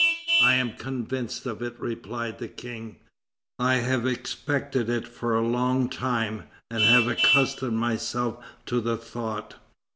"I am convinced of it," replied the King; "I have expected it for a long time and have accustomed myself to the thought.